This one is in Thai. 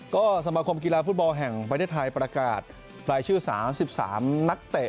ก็สมาคมกีฬาฟุตบอลแห่งประเทศไทยประกาศรายชื่อ๓๓นักเตะ